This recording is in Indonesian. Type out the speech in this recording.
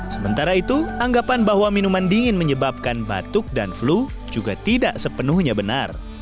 sementara itu anggapan bahwa minuman dingin menyebabkan batuk dan flu juga tidak sepenuhnya benar